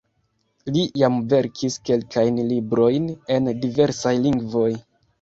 Li jam verkis kelkajn librojn en diversaj lingvoj.